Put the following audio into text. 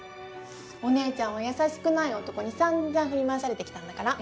お姉ちゃんは優しくない男に散々振り回されてきたんだから。